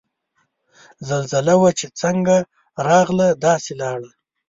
زلزله وه چه څنګ راغله داسے لاړه